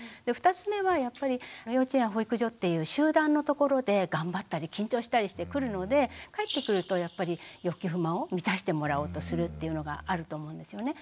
２つ目はやっぱり幼稚園保育所っていう集団の所で頑張ったり緊張したりしてくるので帰ってくるとやっぱり欲求不満を満たしてもらおうとするっていうのがあると思うんですよね。